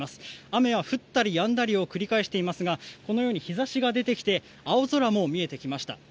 雨は降ったりやんだりを繰り返していますがこのように日差しが出てきて青空も見えてきました。